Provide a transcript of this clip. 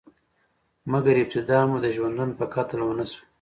مګر، ابتدا مو د ژوندون په قتل ونشوه؟